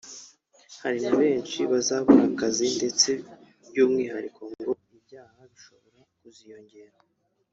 hari na benshi bazabura akazi ndetse by’umwihariko ngo ibyaha bishobora kuziyongera